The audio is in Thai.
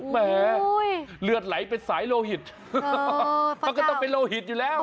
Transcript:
แหมเลือดไหลเป็นสายโลหิตมันก็ต้องเป็นโลหิตอยู่แล้ว